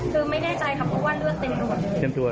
คือไม่แน่ใจค่ะเพราะว่าเลือดเต็มตัว